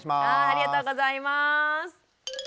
ありがとうございます。